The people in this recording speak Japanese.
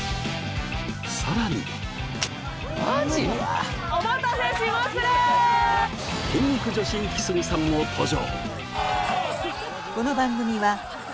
さらに筋肉女子イキスギさんも登場！